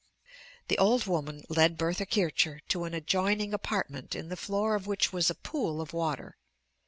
The old woman led Bertha Kircher to an adjoining apartment in the floor of which was a pool of water.